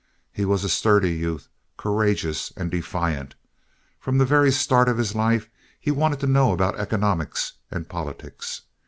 He was a sturdy youth, courageous and defiant. From the very start of his life, he wanted to know about economics and politics.